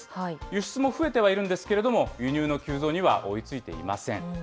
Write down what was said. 輸出も増えてはいるんですけれども、輸入の急増には追いついていません。